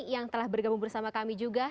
yang telah bergabung bersama kami juga